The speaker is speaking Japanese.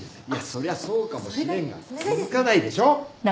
そりゃそうかもしれんが続かないでしょ。